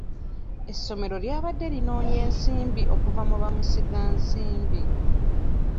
Essomero lyabadde linoonya ensimbi okuva mu bamusiga nsimbi.